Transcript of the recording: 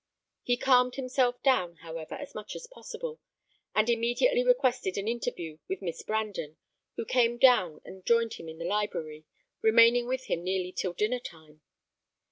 He calmed himself down, however, as much as possible, and immediately requested an interview with Miss Brandon, who came down and joined him in the library, remaining with him nearly till dinner time.